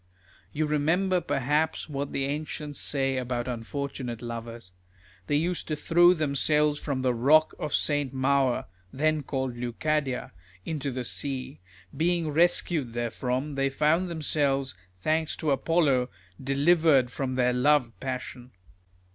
You remember perhaps what the ancients say about unfortunate lovers. These used to throw themselves from the rock of St. Maur (then called Leucadia) into the sea ; being rescued therefrom, they found themselves, thanks to Apollo, delivered from their love passion.